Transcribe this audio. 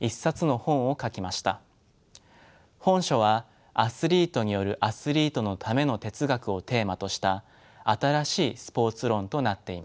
本書は「アスリートによるアスリートのための哲学」をテーマとした新しいスポーツ論となっています。